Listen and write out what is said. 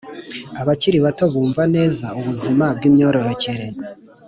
abakiri bato bumva neza ubuzima bw’imyororokere